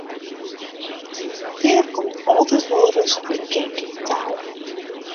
Der komt altyd wolris in kink yn 't tou.